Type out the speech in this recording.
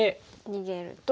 逃げると。